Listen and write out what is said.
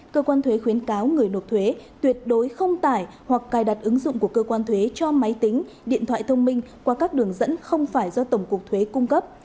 cơ quan thuế khuyến cáo người nộp thuế tuyệt đối không tải hoặc cài đặt ứng dụng của cơ quan thuế cho máy tính điện thoại thông minh qua các đường dẫn không phải do tổng cục thuế cung cấp